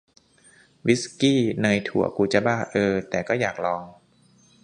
วิสกี้เนยถั่ว กูจะบ้า เออ แต่ก็อยากลอง